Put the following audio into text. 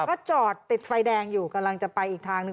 ก็จอดติดไฟแดงอยู่กำลังจะไปอีกทางหนึ่ง